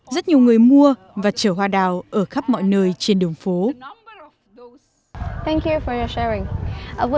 rất nhiều người mua và chở hoa đào ở khắp mọi nơi trên đường phố